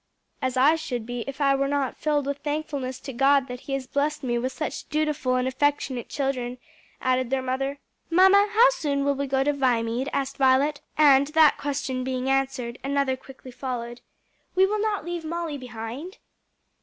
"As I should be if I were not filled with thankfulness to God that he has blessed me with such dutiful and affectionate children," added the mother. "Mamma, how soon will we go to Viamede?" asked Violet; and that question being answered, another quickly followed. "We will not leave Molly behind?"